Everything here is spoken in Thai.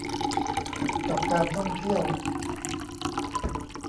กับการท่องเที่ยว